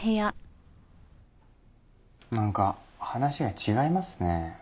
なんか話が違いますね。